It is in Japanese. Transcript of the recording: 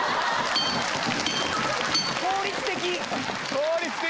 効率的！